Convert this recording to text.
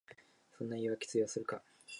そんな言いわけ通用するか